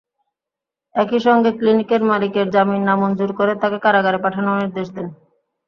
একই সঙ্গে ক্লিনিকের মালিকের জামিন নামঞ্জুর করে তাঁকে কারাগারে পাঠানোর নির্দেশ দেন।